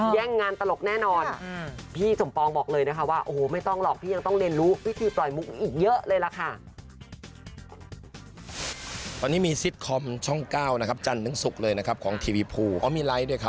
แย่งงานตลกแน่นอนพี่สมปองบอกเลยนะคะว่าโอ้โฮไม่ต้องหรอก